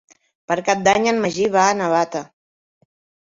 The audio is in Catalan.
Per Cap d'Any en Magí va a Navata.